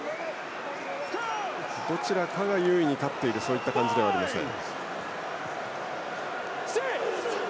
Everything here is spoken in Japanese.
どちらかが優位に立っている感じではありません。